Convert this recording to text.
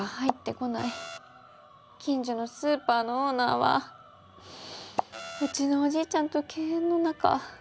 近所のスーパーのオーナーはうちのおじいちゃんと犬猿の仲。